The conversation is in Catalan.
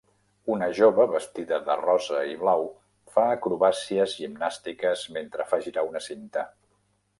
Una jove vestida de rosa i blau fa acrobàcies gimnàstiques mentre fa girar una cinta.